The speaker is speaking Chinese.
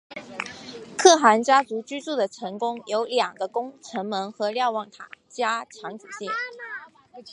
可汗家族居住的宫城有两个城门和瞭望塔加强警戒。